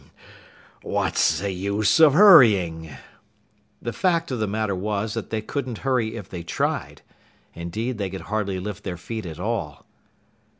"Hah, hoh, hum! What's the use of hurrying?" The fact of the matter was that they couldn't hurry if they tried. Indeed, they could hardly lift their feet at all.